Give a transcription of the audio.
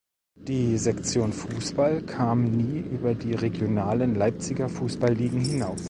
Die Sektion Fußball kam nie über die regionalen Leipziger Fußball-Ligen hinaus.